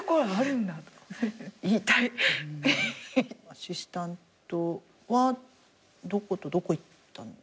アシスタントはどことどこ行ったの？